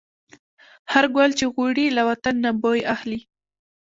هر ګل چې غوړي، له وطن نه بوی اخلي